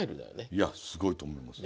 いやすごいと思います。